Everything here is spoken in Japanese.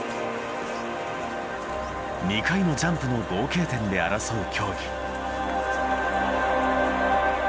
２回のジャンプの合計点で争う競技。